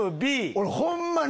俺ホンマに。